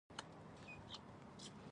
په ویښو زلمیانو او پیغلانو فخر وکړو.